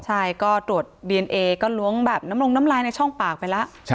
ใช่ก็ตรวจดีเอนเอก็ล้วงแบบน้ำลงน้ำลายในช่องปากไปแล้ว